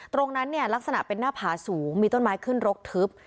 ตรงนั้นเนี่ยลักษณะเป็นหน้าผาสูงมีต้นไม้ขึ้นรกทึบ